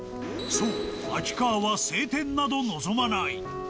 そう、秋川は晴天など望まない。